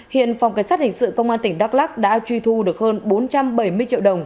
hiện phòng cảnh sát hình sự công an tỉnh đắk lắc đã truy thu được hơn bốn trăm bảy mươi triệu đồng